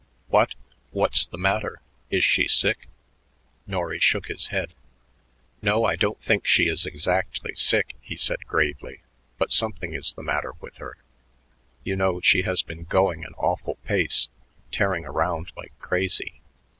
"What! What's the matter? Is she sick?" Norry shook his head. "No, I don't think she is exactly sick," he said gravely, "but something is the matter with her. You know, she has been going an awful pace, tearing around like crazy.